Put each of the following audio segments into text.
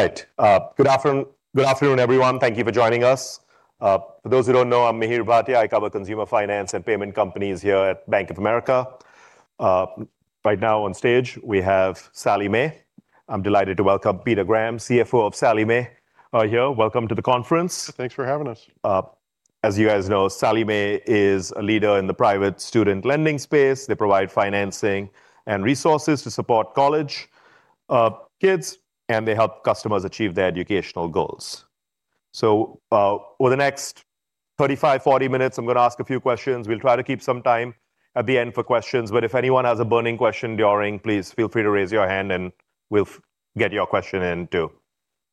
All right, good afternoon, good afternoon, everyone. Thank you for joining us. For those who don't know, I'm Mihir Bhatia. I cover consumer finance and payment companies here at Bank of America. Right now on stage, we have Sallie Mae. I'm delighted to welcome Peter Graham, CFO of Sallie Mae, here. Welcome to the conference. Thanks for having us. As you guys know, Sallie Mae is a leader in the private student lending space. They provide financing and resources to support college kids, and they help customers achieve their educational goals. So over the next 35-40 minutes, I'm going to ask a few questions. We'll try to keep some time at the end for questions. But if anyone has a burning question during this, please feel free to raise your hand, and we'll get your question in too.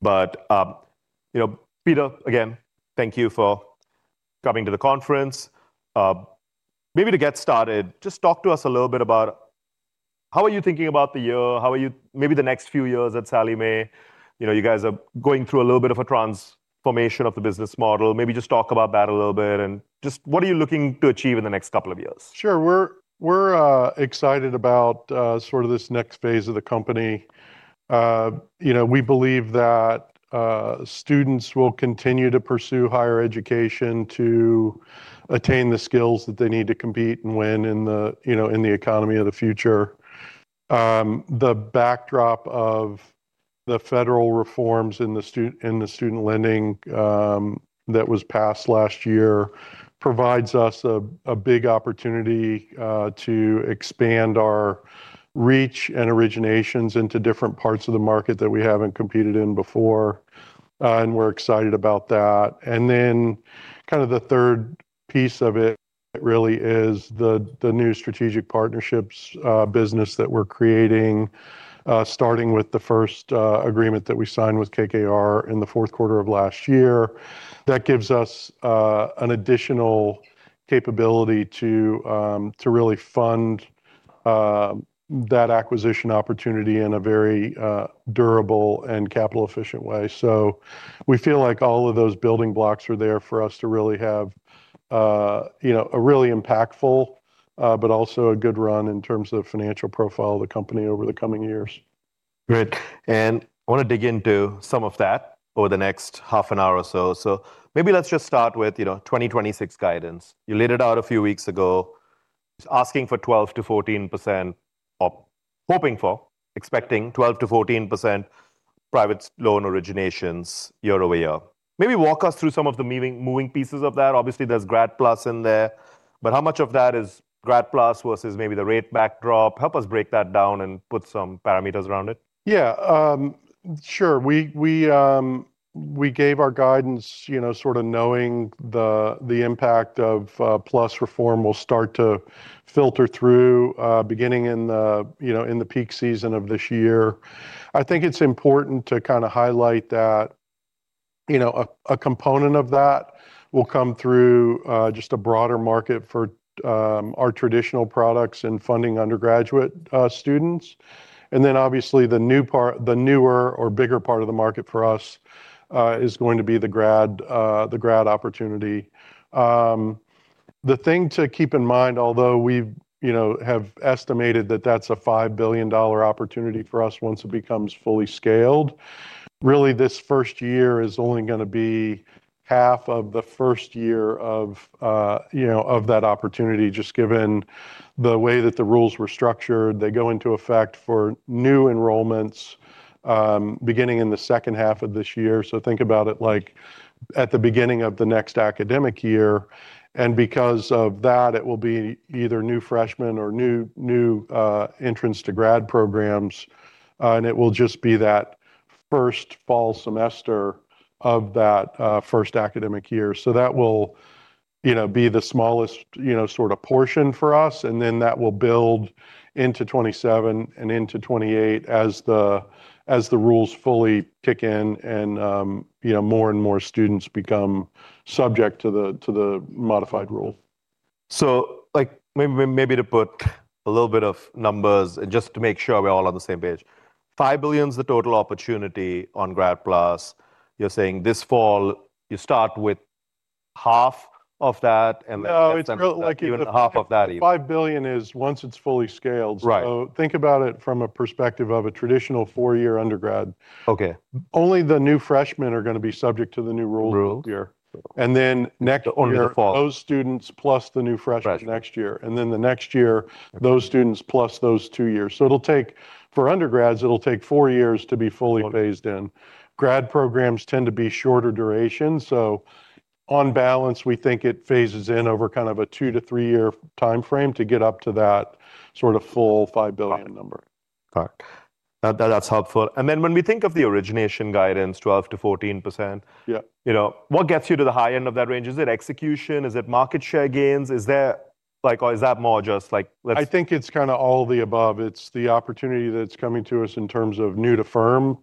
But Peter, again, thank you for coming to the conference. Maybe to get started, just talk to us a little bit about how are you thinking about the year? How are you maybe the next few years at Sallie Mae? You guys are going through a little bit of a transformation of the business model. Maybe just talk about that a little bit. Just what are you looking to achieve in the next couple of years? Sure. We're excited about sort of this next phase of the company. We believe that students will continue to pursue higher education to attain the skills that they need to compete and win in the economy of the future. The backdrop of the federal reforms in the student lending that was passed last year provides us a big opportunity to expand our reach and originations into different parts of the market that we haven't competed in before. And we're excited about that. And then kind of the third piece of it really is the new strategic partnerships business that we're creating, starting with the first agreement that we signed with KKR in the fourth quarter of last year. That gives us an additional capability to really fund that acquisition opportunity in a very durable and capital-efficient way. So we feel like all of those building blocks are there for us to really have a really impactful, but also a good run in terms of the financial profile of the company over the coming years. Great. I want to dig into some of that over the next half an hour or so. Maybe let's just start with 2026 guidance. You laid it out a few weeks ago, asking for 12%-14%, or hoping for, expecting 12%-14% private loan originations year-over-year. Maybe walk us through some of the moving pieces of that. Obviously, there's Grad PLUS in there. But how much of that is Grad PLUS versus maybe the rate backdrop? Help us break that down and put some parameters around it. Yeah, sure. We gave our guidance sort of knowing the impact of Grad PLUS reform will start to filter through beginning in the peak season of this year. I think it's important to kind of highlight that a component of that will come through just a broader market for our traditional products and funding undergraduate students. And then obviously, the newer or bigger part of the market for us is going to be the grad opportunity. The thing to keep in mind, although we have estimated that that's a $5 billion opportunity for us once it becomes fully scaled, really, this first year is only going to be half of the first year of that opportunity, just given the way that the rules were structured. They go into effect for new enrollments beginning in the second half of this year. So think about it like at the beginning of the next academic year. And because of that, it will be either new freshmen or new entrants to grad programs. And it will just be that first fall semester of that first academic year. So that will be the smallest sort of portion for us. And then that will build into 2027 and into 2028 as the rules fully kick in and more and more students become subject to the modified rule. So maybe to put a little bit of numbers and just to make sure we're all on the same page, $5 billion is the total opportunity on Grad PLUS. You're saying this fall, you start with $2.5 billion, and then even $1.25 billion even. No, it's $5 billion once it's fully scaled. So think about it from a perspective of a traditional four-year undergrad. Only the new freshmen are going to be subject to the new rules here. And then next year, those students plus the new freshmen next year. And then the next year, those students plus those two years. So for undergrads, it'll take four years to be fully phased in. Grad programs tend to be shorter duration. So on balance, we think it phases in over kind of a two- to three-year time frame to get up to that sort of full $5 billion number. All right. That's helpful. Then when we think of the origination guidance, 12%-14%, what gets you to the high end of that range? Is it execution? Is it market share gains? Or is that more just like let's. I think it's kind of all the above. It's the opportunity that's coming to us in terms of new to firm,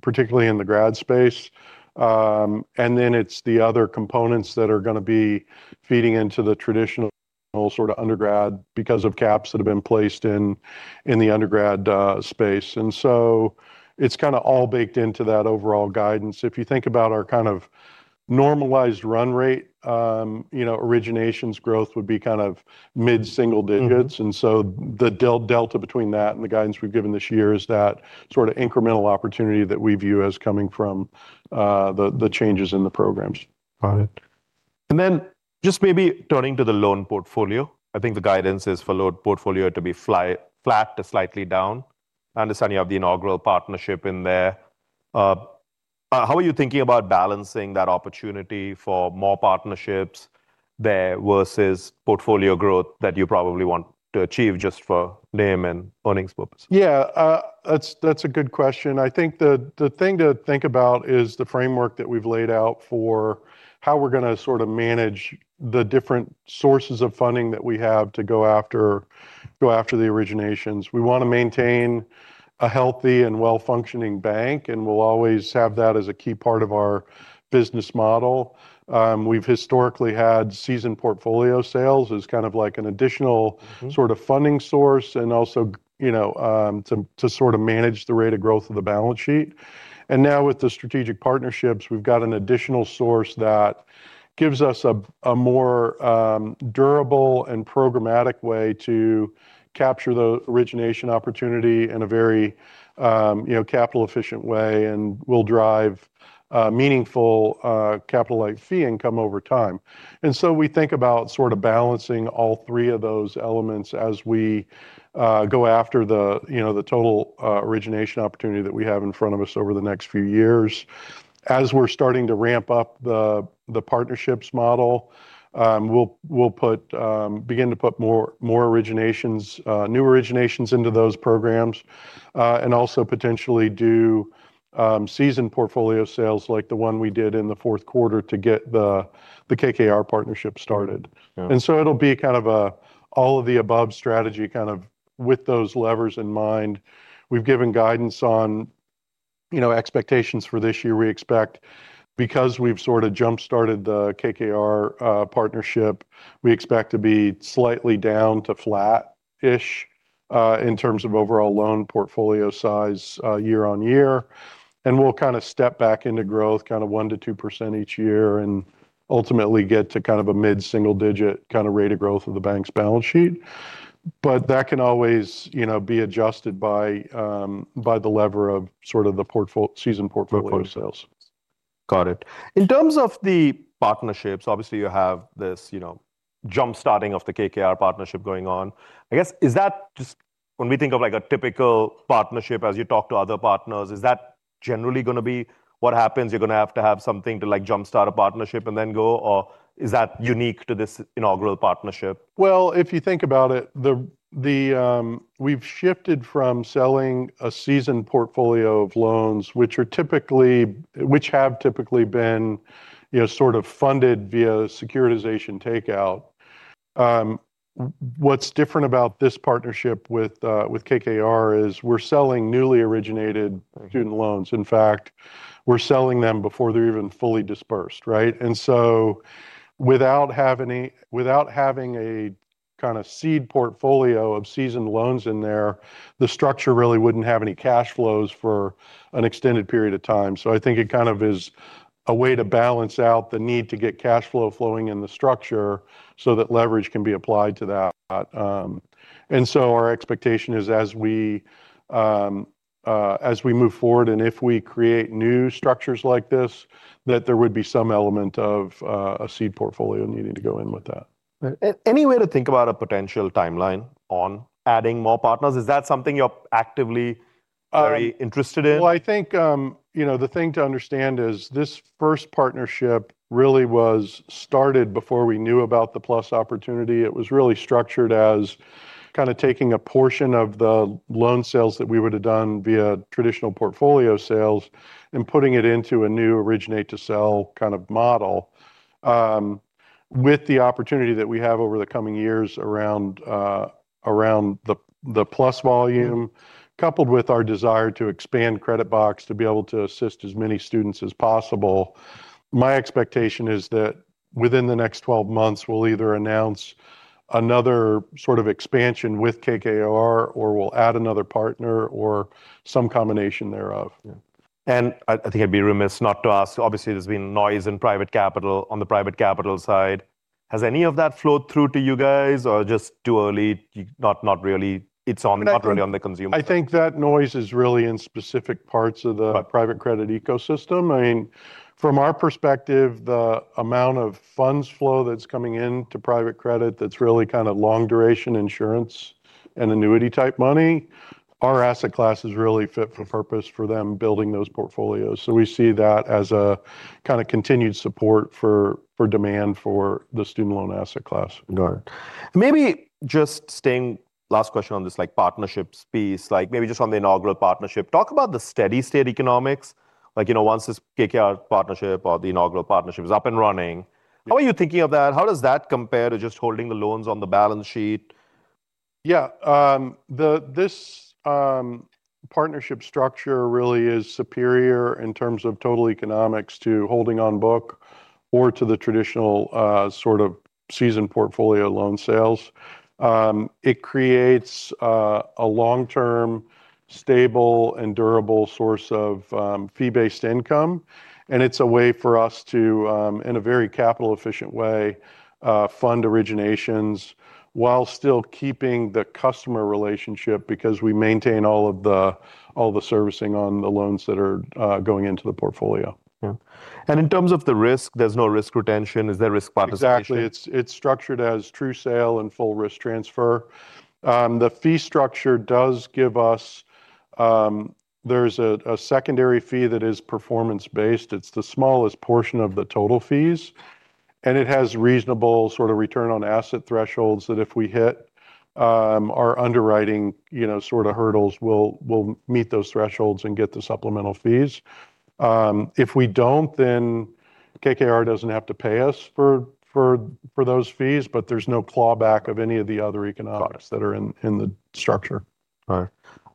particularly in the grad space. And then it's the other components that are going to be feeding into the traditional sort of undergrad because of caps that have been placed in the undergrad space. And so it's kind of all baked into that overall guidance. If you think about our kind of normalized run rate, originations growth would be kind of mid-single digits. And so the delta between that and the guidance we've given this year is that sort of incremental opportunity that we view as coming from the changes in the programs. Got it. And then just maybe turning to the loan portfolio, I think the guidance is for loan portfolio to be flat to slightly down. I understand you have the inaugural partnership in there. How are you thinking about balancing that opportunity for more partnerships there versus portfolio growth that you probably want to achieve just for name and earnings purposes? Yeah, that's a good question. I think the thing to think about is the framework that we've laid out for how we're going to sort of manage the different sources of funding that we have to go after the originations. We want to maintain a healthy and well-functioning bank. We'll always have that as a key part of our business model. We've historically had seasoned portfolio sales as kind of like an additional sort of funding source and also to sort of manage the rate of growth of the balance sheet. Now with the strategic partnerships, we've got an additional source that gives us a more durable and programmatic way to capture the origination opportunity in a very capital-efficient way and will drive meaningful capital-like fee income over time. We think about sort of balancing all three of those elements as we go after the total origination opportunity that we have in front of us over the next few years. As we're starting to ramp up the partnerships model, we'll begin to put more new originations into those programs and also potentially do seasoned portfolio sales like the one we did in the fourth quarter to get the KKR partnership started. It'll be kind of an all-of-the-above strategy kind of with those levers in mind. We've given guidance on expectations for this year. We expect, because we've sort of jump-started the KKR partnership, we expect to be slightly down to flat-ish in terms of overall loan portfolio size year-over-year. We'll kind of step back into growth kind of 1%-2% each year and ultimately get to kind of a mid-single digit kind of rate of growth of the bank's balance sheet. But that can always be adjusted by the lever of sort of the seasoned portfolio sales. Got it. In terms of the partnerships, obviously, you have this jump-starting of the KKR partnership going on. I guess, is that just when we think of a typical partnership, as you talk to other partners, is that generally going to be what happens? You're going to have to have something to jump-start a partnership and then go? Or is that unique to this inaugural partnership? Well, if you think about it, we've shifted from selling a seasoned portfolio of loans which have typically been sort of funded via securitization takeout. What's different about this partnership with KKR is we're selling newly originated student loans. In fact, we're selling them before they're even fully dispersed. And so without having a kind of seed portfolio of seasoned loans in there, the structure really wouldn't have any cash flows for an extended period of time. So I think it kind of is a way to balance out the need to get cash flow flowing in the structure so that leverage can be applied to that. And so our expectation is as we move forward and if we create new structures like this, that there would be some element of a seed portfolio needing to go in with that. Any way to think about a potential timeline on adding more partners? Is that something you're actively very interested in? Well, I think the thing to understand is this first partnership really was started before we knew about the PLUS opportunity. It was really structured as kind of taking a portion of the loan sales that we would have done via traditional portfolio sales and putting it into a new originate-to-sell kind of model with the opportunity that we have over the coming years around the PLUS volume, coupled with our desire to expand credit box to be able to assist as many students as possible. My expectation is that within the next 12 months, we'll either announce another sort of expansion with KKR or we'll add another partner or some combination thereof. I think I'd be remiss not to ask. Obviously, there's been noise on the private capital side. Has any of that flowed through to you guys? Or just too early? Not really on the consumer side? I think that noise is really in specific parts of the private credit ecosystem. I mean, from our perspective, the amount of funds flow that's coming into private credit that's really kind of long-duration insurance and annuity-type money, our asset class is really fit for purpose for them building those portfolios. So we see that as a kind of continued support for demand for the student loan asset class. Got it. And maybe just staying last question on this partnerships piece, maybe just on the inaugural partnership, talk about the steady state economics. Once this KKR partnership or the inaugural partnership is up and running, how are you thinking of that? How does that compare to just holding the loans on the balance sheet? Yeah, this partnership structure really is superior in terms of total economics to holding on book or to the traditional sort of seasoned portfolio loan sales. It creates a long-term, stable, and durable source of fee-based income. It's a way for us to, in a very capital-efficient way, fund originations while still keeping the customer relationship because we maintain all of the servicing on the loans that are going into the portfolio. Yeah. In terms of the risk, there's no risk retention. Is there risk participation? Exactly. It's structured as True Sale and full risk transfer. The fee structure does give us. There's a secondary fee that is performance-based. It's the smallest portion of the total fees. And it has reasonable sort of return on asset thresholds that if we hit, our underwriting sort of hurdles will meet those thresholds and get the supplemental fees. If we don't, then KKR doesn't have to pay us for those fees. But there's no clawback of any of the other economics that are in the structure. All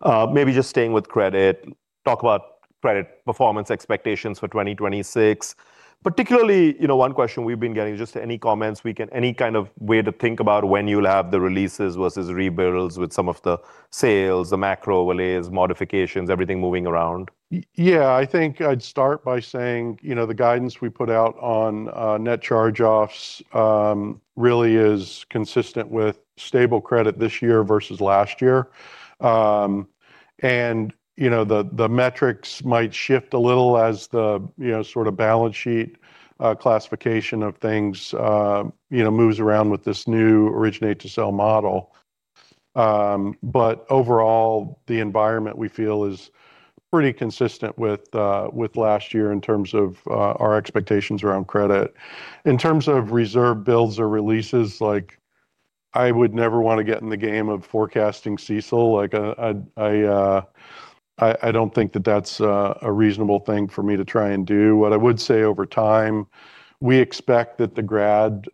right. Maybe just staying with credit, talk about credit performance expectations for 2026. Particularly, one question we've been getting is just any comments, any kind of way to think about when you'll have the releases versus rebuilds with some of the sales, the macro overlays, modifications, everything moving around? Yeah, I think I'd start by saying the guidance we put out on net charge-offs really is consistent with stable credit this year versus last year. And the metrics might shift a little as the sort of balance sheet classification of things moves around with this new originate-to-sell model. But overall, the environment we feel is pretty consistent with last year in terms of our expectations around credit. In terms of reserve builds or releases, I would never want to get in the game of forecasting CECL. I don't think that that's a reasonable thing for me to try and do. What I would say over time, we expect that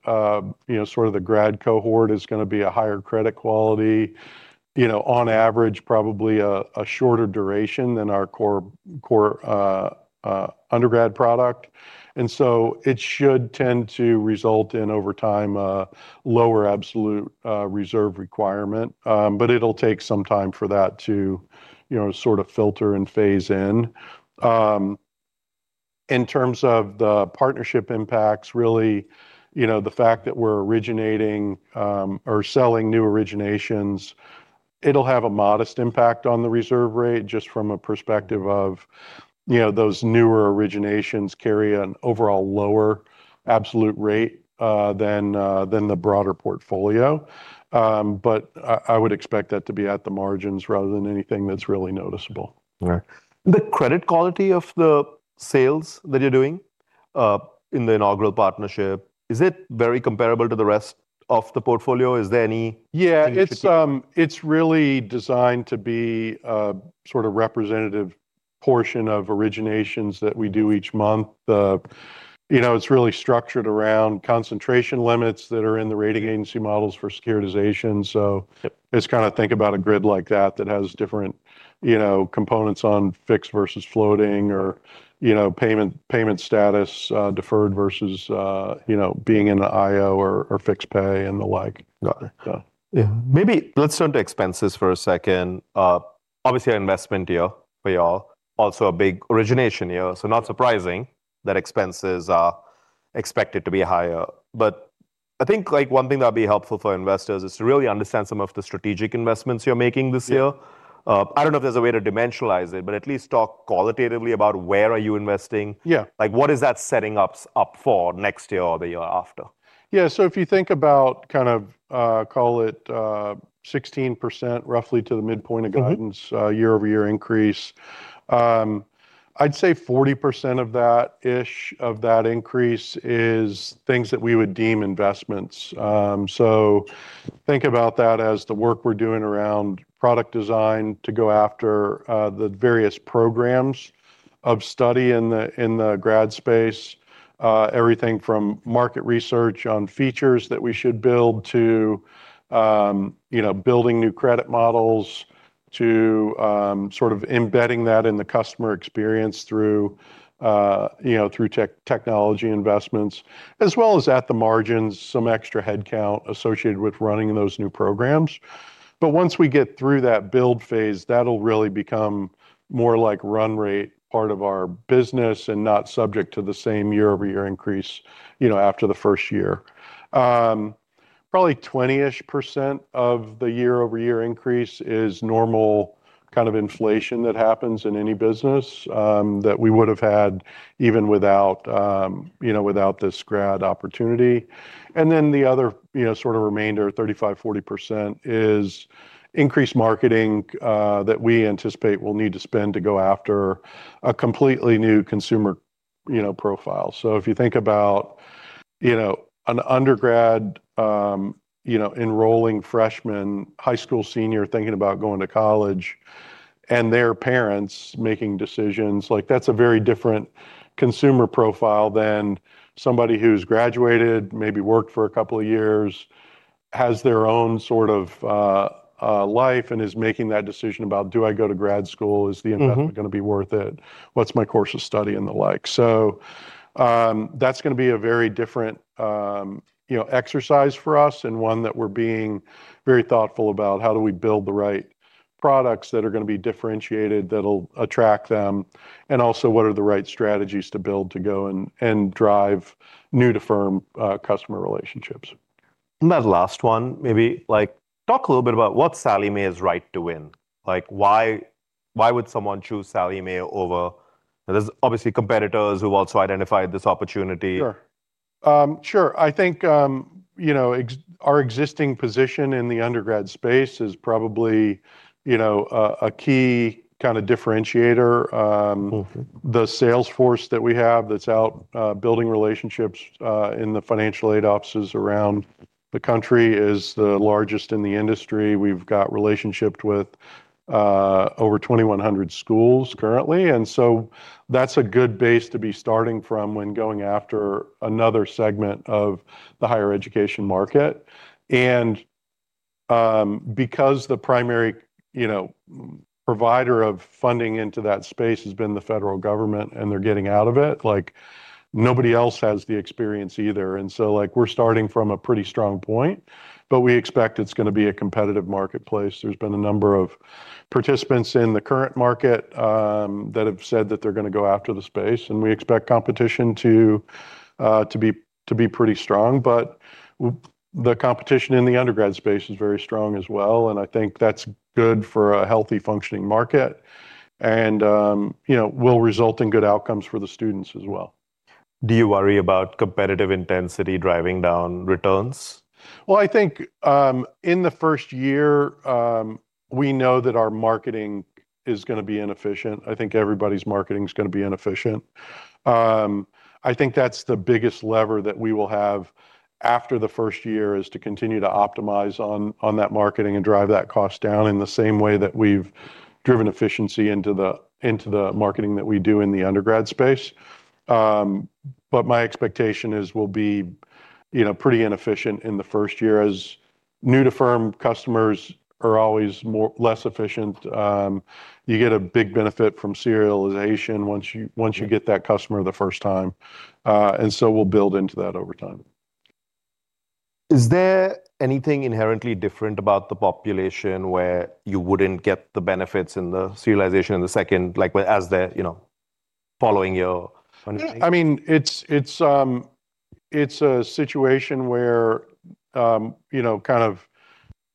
sort of the grad cohort is going to be a higher credit quality on average, probably a shorter duration than our core undergrad product. And so it should tend to result in, over time, a lower absolute reserve requirement. But it'll take some time for that to sort of filter and phase in. In terms of the partnership impacts, really, the fact that we're originating or selling new originations, it'll have a modest impact on the reserve rate just from a perspective of those newer originations carry an overall lower absolute rate than the broader portfolio. But I would expect that to be at the margins rather than anything that's really noticeable. All right. The credit quality of the sales that you're doing in the inaugural partnership, is it very comparable to the rest of the portfolio? Is there any contribution? Yeah, it's really designed to be a sort of representative portion of originations that we do each month. It's really structured around concentration limits that are in the rating agency models for securitization. So it's kind of, think about a grid like that that has different components on fixed versus floating or payment status deferred versus being in the IO or fixed pay and the like. Got it. Yeah. Maybe let's turn to expenses for a second. Obviously, our investment year for you all, also a big origination year. So not surprising that expenses are expected to be higher. But I think one thing that would be helpful for investors is to really understand some of the strategic investments you're making this year. I don't know if there's a way to dimensionalize it, but at least talk qualitatively about where are you investing? What is that setting up for next year or the year after? Yeah, so if you think about kind of call it 16% roughly to the midpoint of guidance, year-over-year increase, I'd say 40% of that increase is things that we would deem investments. So think about that as the work we're doing around product design to go after the various programs of study in the grad space, everything from market research on features that we should build to building new credit models to sort of embedding that in the customer experience through technology investments, as well as at the margins, some extra headcount associated with running those new programs. But once we get through that build phase, that'll really become more like run rate part of our business and not subject to the same year-over-year increase after the first year. Probably 20%-ish of the year-over-year increase is normal kind of inflation that happens in any business that we would have had even without this grad opportunity. And then the other sort of remainder, 35%-40%, is increased marketing that we anticipate we'll need to spend to go after a completely new consumer profile. So if you think about an undergrad enrolling freshman, high school senior thinking about going to college, and their parents making decisions, that's a very different consumer profile than somebody who's graduated, maybe worked for a couple of years, has their own sort of life, and is making that decision about, do I go to grad school? Is the investment going to be worth it? What's my course of study and the like? So that's going to be a very different exercise for us and one that we're being very thoughtful about. How do we build the right products that are going to be differentiated that'll attract them? And also, what are the right strategies to build to go and drive new-to-firm customer relationships? That last one, maybe talk a little bit about what Sallie Mae is right to win. Why would someone choose Sallie Mae over, there’s obviously competitors who’ve also identified this opportunity. Sure. I think our existing position in the undergrad space is probably a key kind of differentiator. The sales force that we have that's out building relationships in the financial aid offices around the country is the largest in the industry. We've got relationships with over 2,100 schools currently. And so that's a good base to be starting from when going after another segment of the higher education market. And because the primary provider of funding into that space has been the federal government and they're getting out of it, nobody else has the experience either. And so we're starting from a pretty strong point. But we expect it's going to be a competitive marketplace. There's been a number of participants in the current market that have said that they're going to go after the space. And we expect competition to be pretty strong. The competition in the undergrad space is very strong as well. I think that's good for a healthy functioning market and will result in good outcomes for the students as well. Do you worry about competitive intensity driving down returns? Well, I think in the first year, we know that our marketing is going to be inefficient. I think everybody's marketing is going to be inefficient. I think that's the biggest lever that we will have after the first year is to continue to optimize on that marketing and drive that cost down in the same way that we've driven efficiency into the marketing that we do in the undergrad space. But my expectation is we'll be pretty inefficient in the first year as new-to-firm customers are always less efficient. You get a big benefit from serialization once you get that customer the first time. And so we'll build into that over time. Is there anything inherently different about the population where you wouldn't get the benefits in the securitization in the seasoned as they're following years? I mean, it's a situation where kind of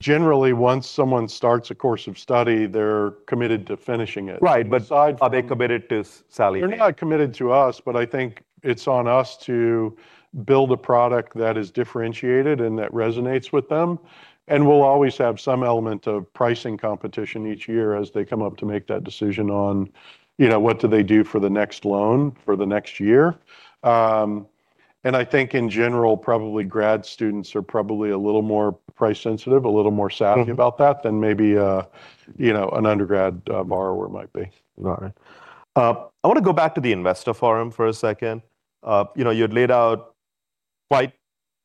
generally, once someone starts a course of study, they're committed to finishing it. Right. But are they committed to Sallie Mae? They're not committed to us. But I think it's on us to build a product that is differentiated and that resonates with them. And we'll always have some element of pricing competition each year as they come up to make that decision on what do they do for the next loan for the next year. And I think, in general, probably grad students are probably a little more price sensitive, a little more savvy about that than maybe an undergrad borrower might be. Got it. I want to go back to the investor forum for a second. You had laid out quite,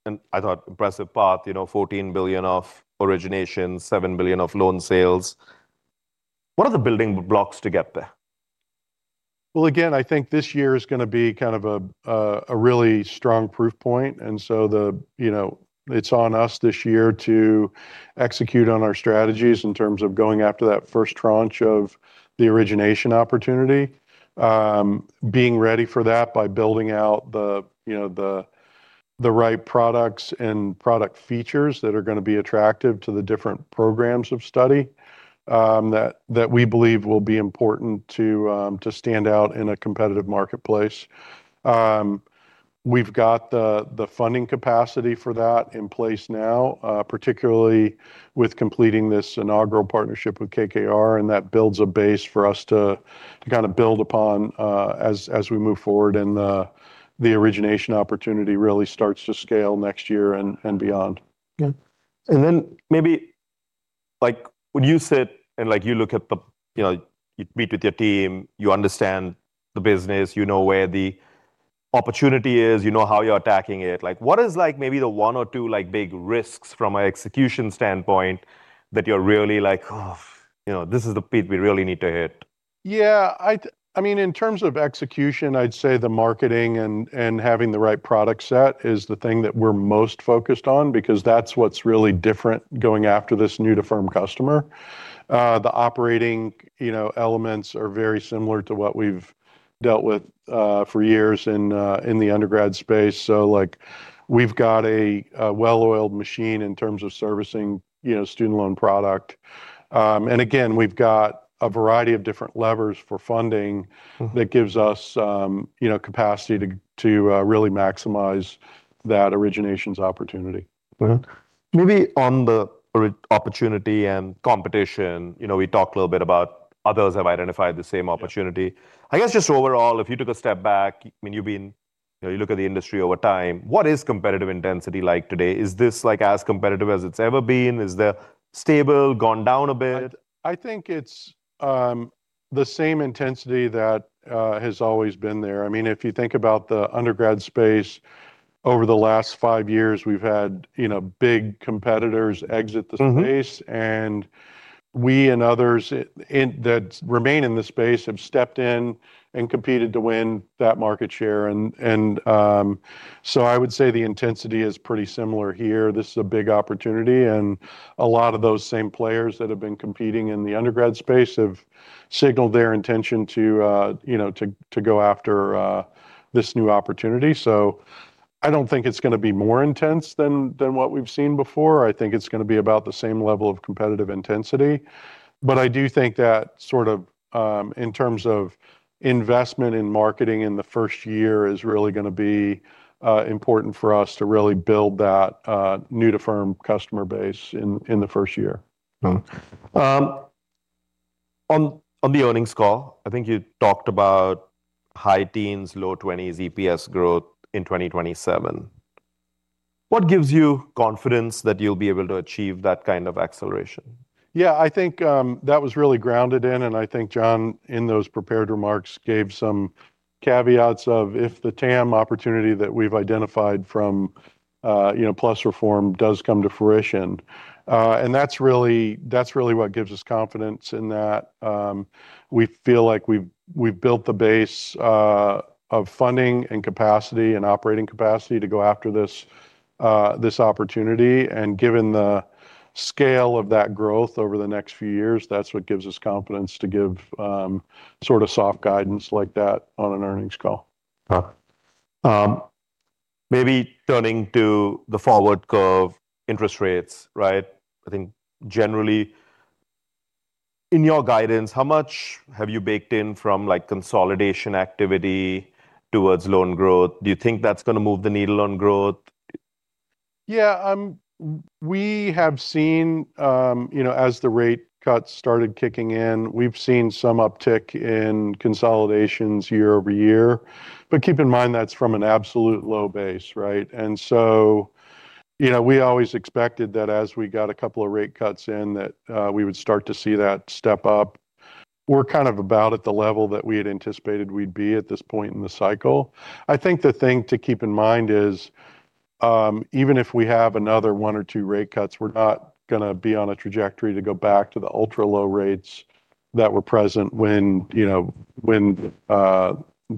and I thought, impressive path, $14 billion of originations, $7 billion of loan sales. What are the building blocks to get there? Well, again, I think this year is going to be kind of a really strong proof point. And so it's on us this year to execute on our strategies in terms of going after that first tranche of the origination opportunity, being ready for that by building out the right products and product features that are going to be attractive to the different programs of study that we believe will be important to stand out in a competitive marketplace. We've got the funding capacity for that in place now, particularly with completing this inaugural partnership with KKR. And that builds a base for us to kind of build upon as we move forward and the origination opportunity really starts to scale next year and beyond. Yeah. And then maybe when you sit and you look at the, you meet with your team, you understand the business, you know where the opportunity is, you know how you're attacking it. What is maybe the one or two big risks from an execution standpoint that you're really like, this is the beat we really need to hit? Yeah. I mean, in terms of execution, I'd say the marketing and having the right product set is the thing that we're most focused on because that's what's really different going after this new-to-firm customer. The operating elements are very similar to what we've dealt with for years in the undergrad space. So we've got a well-oiled machine in terms of servicing student loan product. And again, we've got a variety of different levers for funding that gives us capacity to really maximize that originations opportunity. Maybe on the opportunity and competition, we talked a little bit about others have identified the same opportunity. I guess just overall, if you took a step back, I mean, you look at the industry over time, what is competitive intensity like today? Is this as competitive as it's ever been? Is it stable, gone down a bit? I think it's the same intensity that has always been there. I mean, if you think about the undergrad space, over the last five years, we've had big competitors exit the space. We and others that remain in the space have stepped in and competed to win that market share. I would say the intensity is pretty similar here. This is a big opportunity. A lot of those same players that have been competing in the undergrad space have signaled their intention to go after this new opportunity. I don't think it's going to be more intense than what we've seen before. I think it's going to be about the same level of competitive intensity. But I do think that sort of in terms of investment in marketing in the first year is really going to be important for us to really build that new-to-firm customer base in the first year. On the earnings call, I think you talked about high teens, low 20s, EPS growth in 2027. What gives you confidence that you'll be able to achieve that kind of acceleration? Yeah, I think that was really grounded in. And I think John, in those prepared remarks, gave some caveats of if the TAM opportunity that we've identified from PLUS Reform does come to fruition. And that's really what gives us confidence in that. We feel like we've built the base of funding and capacity and operating capacity to go after this opportunity. And given the scale of that growth over the next few years, that's what gives us confidence to give sort of soft guidance like that on an earnings call. Maybe turning to the forward curve, interest rates. I think generally, in your guidance, how much have you baked in from consolidation activity towards loan growth? Do you think that's going to move the needle on growth? Yeah, we have seen as the rate cuts started kicking in, we've seen some uptick in consolidations year over year. But keep in mind that's from an absolute low base. And so we always expected that as we got a couple of rate cuts in, that we would start to see that step up. We're kind of about at the level that we had anticipated we'd be at this point in the cycle. I think the thing to keep in mind is even if we have another one or two rate cuts, we're not going to be on a trajectory to go back to the ultra-low rates that were present when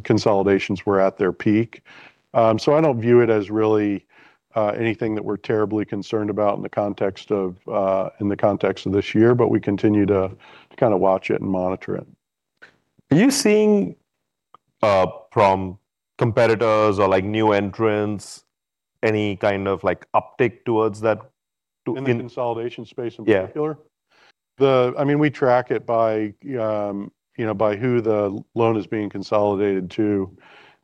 consolidations were at their peak. So I don't view it as really anything that we're terribly concerned about in the context of this year. But we continue to kind of watch it and monitor it. Are you seeing from competitors or new entrants, any kind of uptick towards that? In the consolidation space in particular? Yeah. I mean, we track it by who the loan is being consolidated to.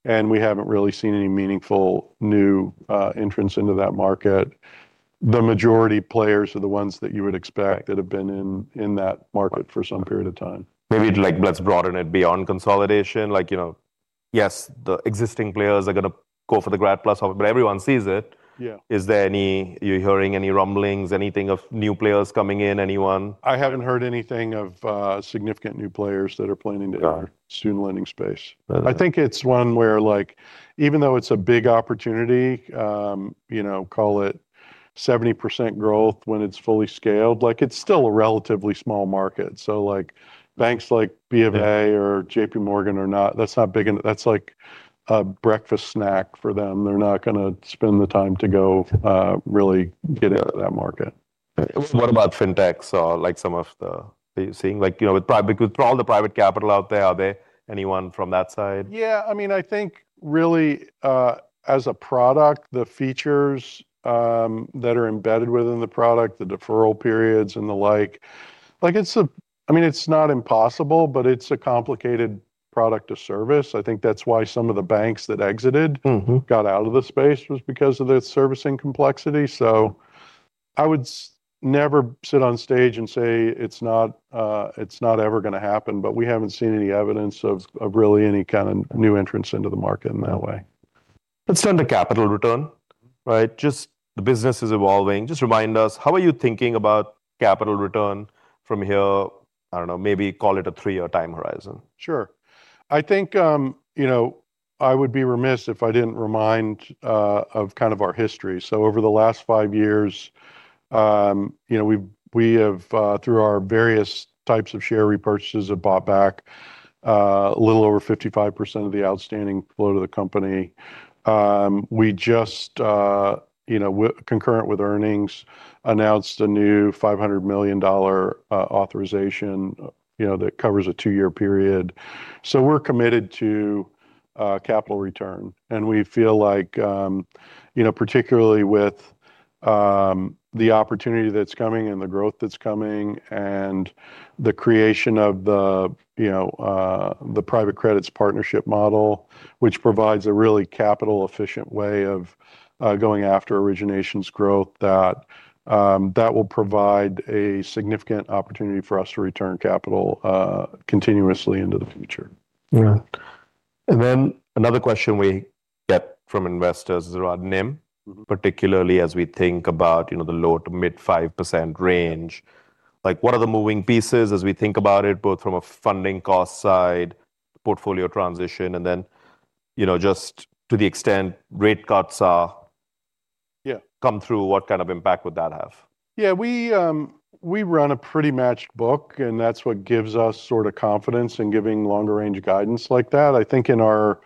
We haven't really seen any meaningful new entrants into that market. The majority players are the ones that you would expect that have been in that market for some period of time. Maybe let's broaden it beyond consolidation. Yes, the existing players are going to go for the Grad PLUS offer. But everyone sees it. Is there anything you're hearing? Any rumblings, anything of new players coming in, anyone? I haven't heard anything of significant new players that are planning to enter student lending space. I think it's one where even though it's a big opportunity, call it 70% growth when it's fully scaled, it's still a relatively small market. So banks like BofA or JPMorgan are not; that's not big enough. That's like a breakfast snack for them. They're not going to spend the time to go really get into that market. What about fintechs or some of the are you seeing? With all the private capital out there, are there anyone from that side? Yeah. I mean, I think really, as a product, the features that are embedded within the product, the deferral periods and the like, I mean, it's not impossible, but it's a complicated product or service. I think that's why some of the banks that exited, got out of the space was because of their servicing complexity. So I would never sit on stage and say it's not ever going to happen. But we haven't seen any evidence of really any kind of new entrants into the market in that way. Let's turn to capital return. Just the business is evolving. Just remind us, how are you thinking about capital return from here? I don't know, maybe call it a three-year time horizon. Sure. I think I would be remiss if I didn't remind of kind of our history. So over the last five years, we have, through our various types of share repurchases and bought back a little over 55% of the outstanding flow to the company. We just, concurrent with earnings, announced a new $500 million authorization that covers a two-year period. So we're committed to capital return. And we feel like, particularly with the opportunity that's coming and the growth that's coming and the creation of the private credits partnership model, which provides a really capital-efficient way of going after originations growth, that will provide a significant opportunity for us to return capital continuously into the future. Yeah. And then another question we get from investors is around NIM, particularly as we think about the low to mid 5% range. What are the moving pieces as we think about it, both from a funding cost side, portfolio transition, and then just to the extent rate cuts come through, what kind of impact would that have? Yeah, we run a pretty matched book. And that's what gives us sort of confidence in giving longer-range guidance like that. I think in our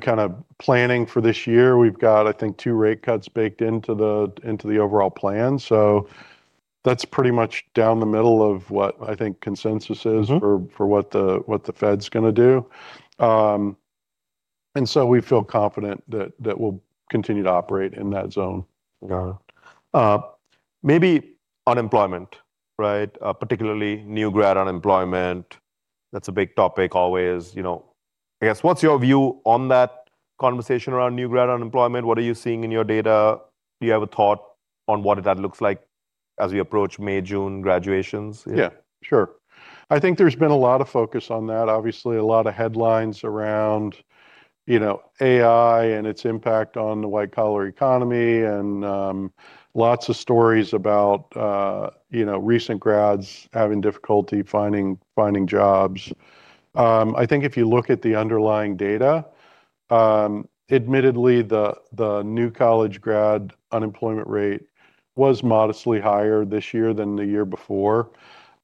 kind of planning for this year, we've got, I think, two rate cuts baked into the overall plan. So that's pretty much down the middle of what I think consensus is for what the Fed's going to do. And so we feel confident that we'll continue to operate in that zone. Got it. Maybe unemployment, particularly new grad unemployment. That's a big topic always. I guess, what's your view on that conversation around new grad unemployment? What are you seeing in your data? Do you have a thought on what that looks like as we approach May, June graduations? Yeah, sure. I think there's been a lot of focus on that, obviously, a lot of headlines around AI and its impact on the white-collar economy and lots of stories about recent grads having difficulty finding jobs. I think if you look at the underlying data, admittedly, the new college grad unemployment rate was modestly higher this year than the year before.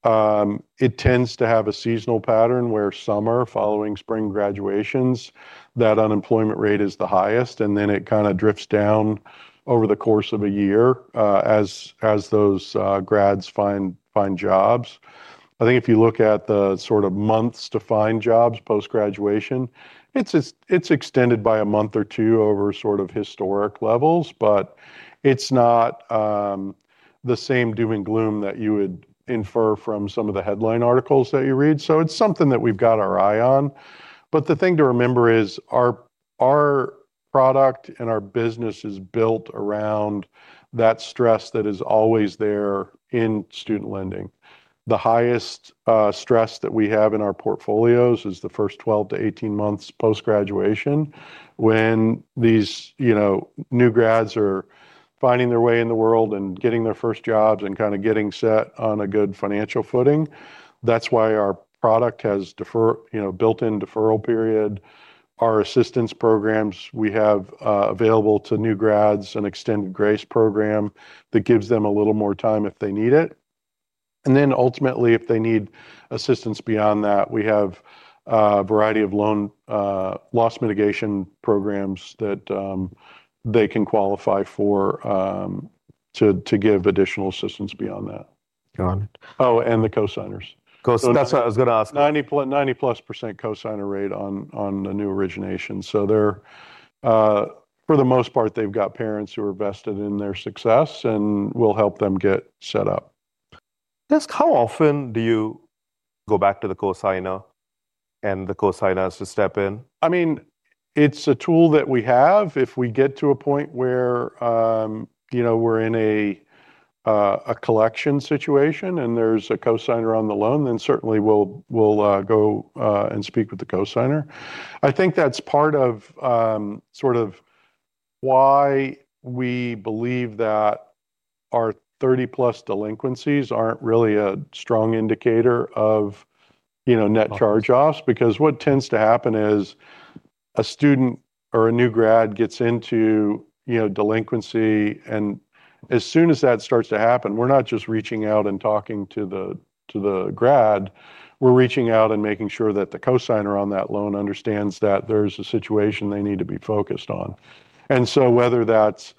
It tends to have a seasonal pattern where summer, following spring graduations, that unemployment rate is the highest. And then it kind of drifts down over the course of a year as those grads find jobs. I think if you look at the sort of months to find jobs post-graduation, it's extended by a month or two over sort of historic levels. But it's not the same doom and gloom that you would infer from some of the headline articles that you read. So it's something that we've got our eye on. But the thing to remember is our product and our business is built around that stress that is always there in student lending. The highest stress that we have in our portfolios is the first 12-18 months post-graduation when these new grads are finding their way in the world and getting their first jobs and kind of getting set on a good financial footing. That's why our product has built-in deferral period. Our assistance programs we have available to new grads, an extended grace program that gives them a little more time if they need it. And then ultimately, if they need assistance beyond that, we have a variety of loan loss mitigation programs that they can qualify for to give additional assistance beyond that. Got it. Oh, and the cosigners. That's what I was going to ask. 90%+ cosigner rate on the new originations. So for the most part, they've got parents who are vested in their success and will help them get set up. I guess, how often do you go back to the cosigner and the cosigners to step in? I mean, it's a tool that we have. If we get to a point where we're in a collection situation and there's a cosigner on the loan, then certainly we'll go and speak with the cosigner. I think that's part of sort of why we believe that our 30+ delinquencies aren't really a strong indicator of net charge-offs. Because what tends to happen is a student or a new grad gets into delinquency. And as soon as that starts to happen, we're not just reaching out and talking to the grad. We're reaching out and making sure that the cosigner on that loan understands that there's a situation they need to be focused on. And so whether that's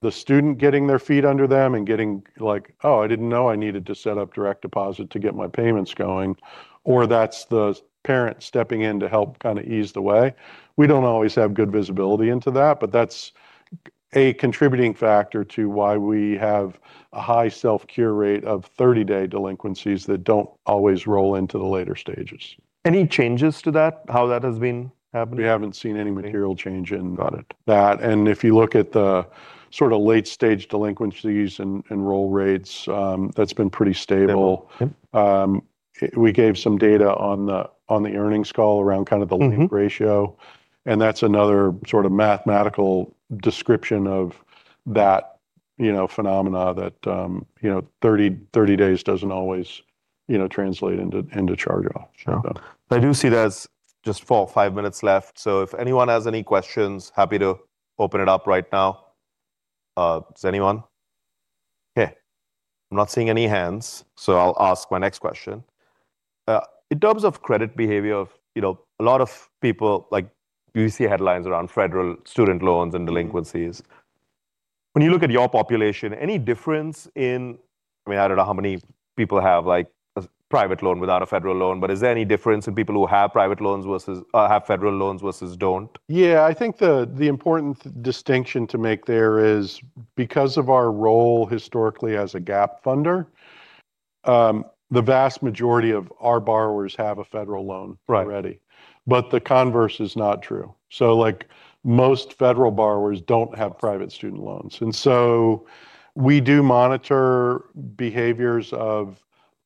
the student getting their feet under them and getting like, oh, I didn't know I needed to set up direct deposit to get my payments going, or that's the parent stepping in to help kind of ease the way, we don't always have good visibility into that. But that's a contributing factor to why we have a high self-cure rate of 30-day delinquencies that don't always roll into the later stages. Any changes to that, how that has been happening? We haven't seen any material change in that. If you look at the sort of late-stage delinquencies and roll rates, that's been pretty stable. We gave some data on the earnings call around kind of the lend ratio. That's another sort of mathematical description of that phenomena that 30 days doesn't always translate into charge-off. Sure. I do see that we've just got five minutes left. So if anyone has any questions, happy to open it up right now. Does anyone? OK, I'm not seeing any hands. So I'll ask my next question. In terms of credit behavior, a lot of people, you see headlines around federal student loans and delinquencies. When you look at your population, any difference in—I mean, I don't know how many people have a private loan without a federal loan. But is there any difference in people who have private loans versus have federal loans versus don't? Yeah, I think the important distinction to make there is because of our role historically as a gap funder, the vast majority of our borrowers have a federal loan already. But the converse is not true. So most federal borrowers don't have private student loans. And so we do monitor behaviors of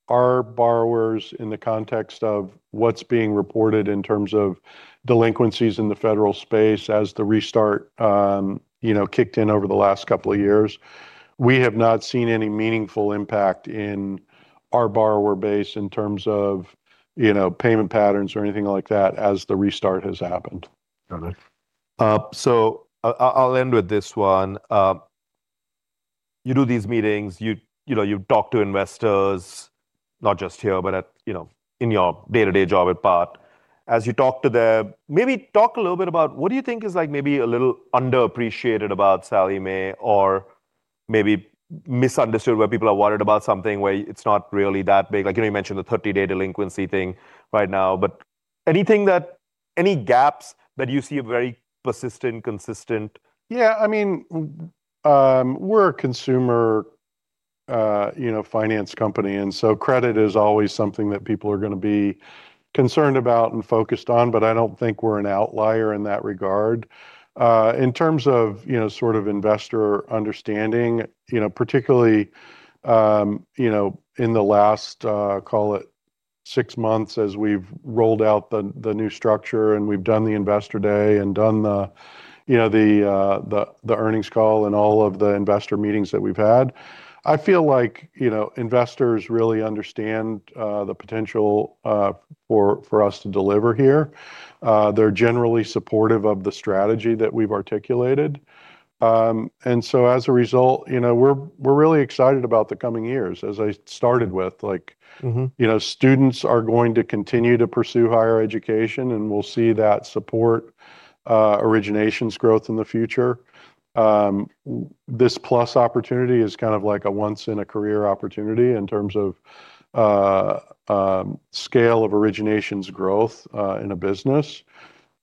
our borrowers in the context of what's being reported in terms of delinquencies in the federal space as the restart kicked in over the last couple of years. We have not seen any meaningful impact in our borrower base in terms of payment patterns or anything like that as the restart has happened. Got it. So I'll end with this one. You do these meetings. You talk to investors, not just here, but in your day-to-day job at part. As you talk to them, maybe talk a little bit about what do you think is maybe a little underappreciated about Sallie Mae or maybe misunderstood where people are worried about something where it's not really that big? You mentioned the 30-day delinquency thing right now. But anything that any gaps that you see are very persistent, consistent? Yeah, I mean, we're a consumer finance company. And so credit is always something that people are going to be concerned about and focused on. But I don't think we're an outlier in that regard. In terms of sort of investor understanding, particularly in the last, call it, six months as we've rolled out the new structure and we've done the investor day and done the earnings call and all of the investor meetings that we've had, I feel like investors really understand the potential for us to deliver here. They're generally supportive of the strategy that we've articulated. And so as a result, we're really excited about the coming years. As I started with, students are going to continue to pursue higher education. And we'll see that support originations growth in the future. This PLUS opportunity is kind of like a once-in-a-career opportunity in terms of scale of originations growth in a business.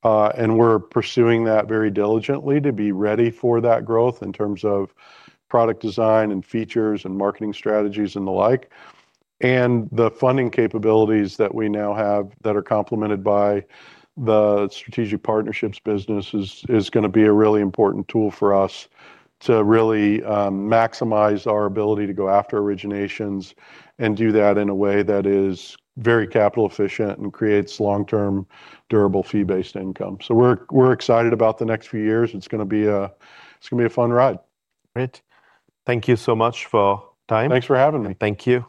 And we're pursuing that very diligently to be ready for that growth in terms of product design and features and marketing strategies and the like. And the funding capabilities that we now have that are complemented by the strategic partnerships business is going to be a really important tool for us to really maximize our ability to go after originations and do that in a way that is very capital-efficient and creates long-term, durable, fee-based income. So we're excited about the next few years. It's going to be a fun ride. Great. Thank you so much for time. Thanks for having me. Thank you.